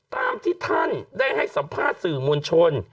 ตามที่ท่านได้ให้สัมภาษณ์สื่อมวลชน